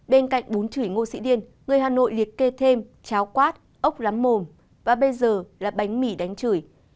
bên cạnh bún chửi ngô sĩ điên người hà nội liệt kê thêm cháo quát ốc lắm mồm và bây giờ là bánh mì đánh chửi